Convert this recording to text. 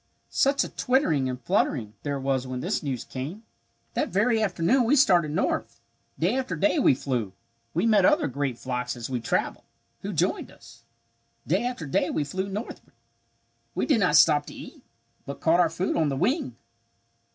Such a twittering and fluttering there was when this news came. "That very afternoon we started north. Day after day we flew. We met other great flocks as we travelled, who joined us. "Day after day we flew northward. We did not stop to eat, but caught our food on the wing.